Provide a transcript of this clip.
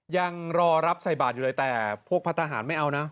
ยังรอรับใส่บาทอยู่เลยแต่พวกพัฒนาหารไม่เอานะ